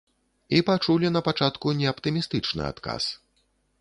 І пачулі напачатку не аптымістычны адказ.